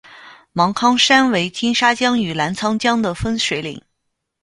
芒康山为金沙江与澜沧江的分水岭。